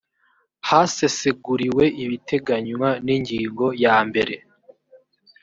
haseseguriwe ibiteganywa n ingingo ya mbere